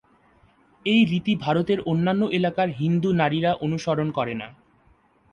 এই রীতি ভারতের অন্য এলাকার হিন্দু নারীরা অনুসরণ করে না।